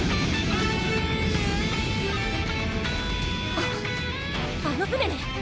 あっあの船ね。